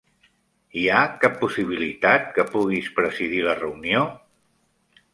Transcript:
Hi ha cap possibilitat que puguis presidir la reunió?